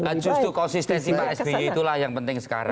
nah justru konsistensi pak sby itulah yang penting sekarang